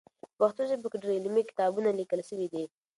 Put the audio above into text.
په پښتو ژبه کې ډېر علمي کتابونه لیکل سوي دي.